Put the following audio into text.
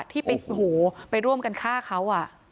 ที่ไปร่วมกันฆ่าเขา